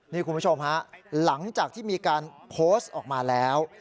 นี่คุณผู้ชมฮะหลังจากที่มีการโพสต์ออกมาแล้ว